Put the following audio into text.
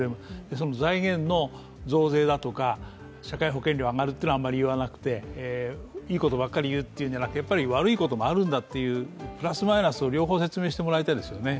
その財源の増税だとか社会保険料が上がるというのはあまり言わなくて、いいことばかり言うというのではなく悪いこともあるんだと、プラスマイナス、両方説明してもらいたいですよね。